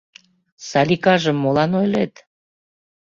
Саликажым молан ойлет?